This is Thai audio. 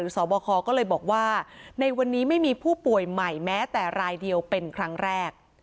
สอบคอก็เลยบอกว่าในวันนี้ไม่มีผู้ป่วยใหม่แม้แต่รายเดียวเป็นครั้งแรก